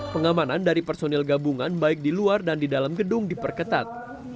pengamanan dari personil gabungan baik di luar dan di dalam gedung diperketat